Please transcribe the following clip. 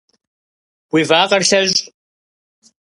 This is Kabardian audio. Уи вакъэр лъэщӏ.